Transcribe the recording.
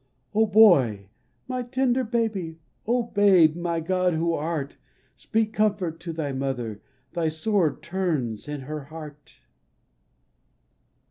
" O Boy, my tender baby, O Babe, my God who art, Speak comfort to thy Mother, Thy sword turns in her heart